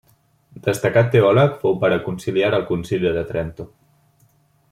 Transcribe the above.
Destacat teòleg, fou pare conciliar al Concili de Trento.